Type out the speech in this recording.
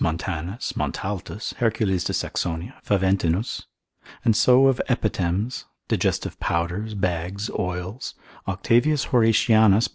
med. Montanus consil. 231. Montaltus cap. 33. Hercules de Saxonia, Faventinus. And so of epithems, digestive powders, bags, oils, Octavius Horatianus lib.